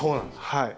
はい。